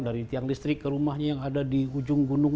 dari tiang listrik ke rumahnya yang ada di ujung gunung